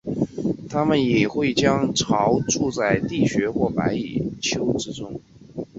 它们也会将巢筑在地穴或白蚁丘中。